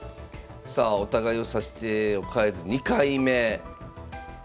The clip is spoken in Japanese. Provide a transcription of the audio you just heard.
さあお互い指し手を変えず２回目。